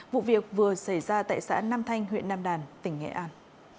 vụ việc vừa xảy ra tại xã nam thanh huyện nam đàn tỉnh nghệ an